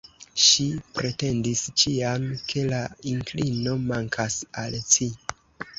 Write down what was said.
Ŝi pretendis ĉiam, ke la inklino mankas al ci.